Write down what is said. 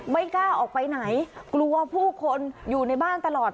ไม่กล้าออกไปไหนกลัวผู้คนอยู่ในบ้านตลอด